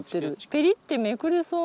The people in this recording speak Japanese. ペリってめくれそうな。